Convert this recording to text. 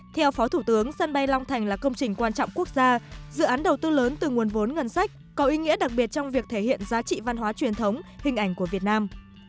theo phó thủ tướng sân bay long thành là công trình quan trọng quốc gia dự án đầu tư lớn từ nguồn vốn ngân sách có ý nghĩa đặc biệt trong việc thể hiện giá trị văn hóa truyền thống hình ảnh của việt nam